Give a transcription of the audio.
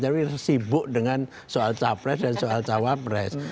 jadi sibuk dengan soal capres dan soal cawapres